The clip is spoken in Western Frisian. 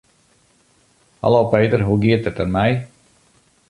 Hallo Peter, hoe giet it der mei?